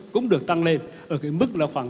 cũng được tăng lên ở cái mức là khoảng